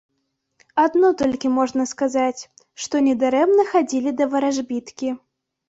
Адно толькі можна сказаць, што недарэмна хадзілі да варажбіткі.